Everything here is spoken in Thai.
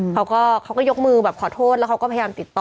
เขาก็เขาก็ยกมือแบบขอโทษแล้วเขาก็พยายามติดต่อ